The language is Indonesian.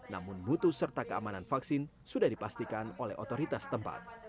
namun mutu serta keamanan vaksin sudah dipastikan oleh otoritas tempat